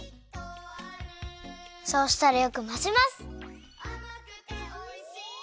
そうしたらよくまぜます。